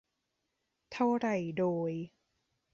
เท่าไหร่โดย